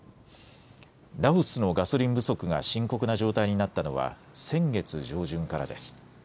ラオスのガソリン不足が深刻な状態になったのは先月上旬からです。